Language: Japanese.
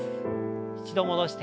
一度戻して。